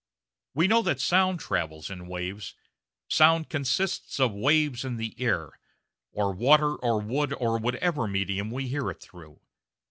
We know that sound travels in waves; sound consists of waves in the air, or water or wood or whatever medium we hear it through.